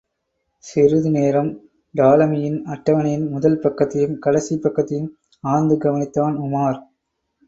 சிறிது நேரம், டோலமியின் அட்டவணையின் முதல் பக்கத்தையும் கடைசிப் பக்கத்தையும் ஆழ்ந்து கவனித்தான் உமார்.